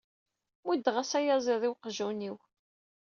Muddeɣ-as ayaziḍ i uqjun-iw.